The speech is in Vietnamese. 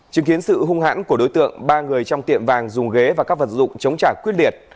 chứng kiến sự hung hãn của đối tượng ba người trong tiệm vàng dùng ghế và các vật dụng chống trả quyết liệt